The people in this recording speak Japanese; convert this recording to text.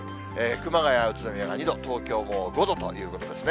熊谷、宇都宮が２度、東京も５度ということですね。